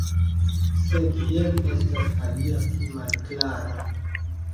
Sed jen estas alia pli malkara.